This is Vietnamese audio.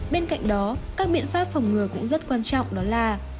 bên cạnh đó các biện pháp phòng ngừa cũng rất quan trọng đó là